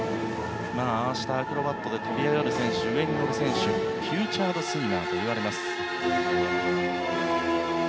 アクロバティックで飛び上がる選手、上に乗る選手はフィーチャードスイマーといわれます。